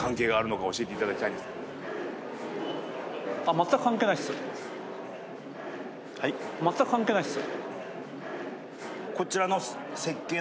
まったく関係ないです。